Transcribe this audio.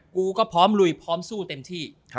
กูก็พร้อมลุยพร้อมสู้เต็มที่